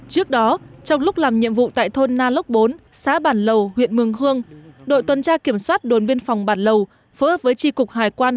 trước đó trong lúc làm nhiệm vụ tại thôn na lốc bốn xã bản lầu huyện mường khương đội tuần tra kiểm soát đồn biên phòng bản lầu phối hợp với tri cục hải quan